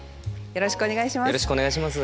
よろしくお願いします。